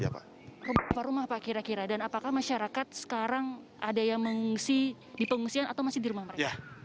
apa rumah pak kira kira dan apakah masyarakat sekarang ada yang mengungsi di pengungsian atau masih di rumah mereka